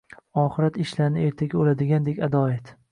oxirat ishlarini ertaga o'ladigandek ado et!»